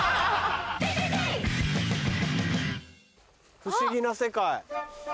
不思議な世界。